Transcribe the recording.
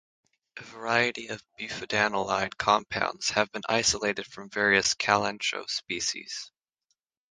A variety of bufadienolide compounds have been isolated from various "Kalanchoe" species.